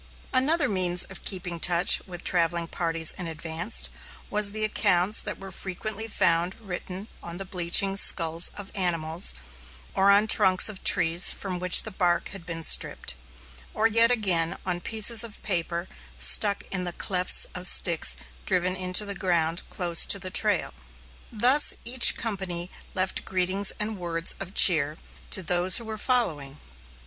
Another means of keeping in touch with travelling parties in advance was the accounts that were frequently found written on the bleaching skulls of animals, or on trunks of trees from which the bark had been stripped, or yet again, on pieces of paper stuck in the clefts of sticks driven into the ground close to the trail. Thus each company left greetings and words of cheer to those who were following.